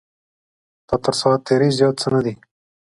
دا تر ساعت تېرۍ زیات څه نه دی.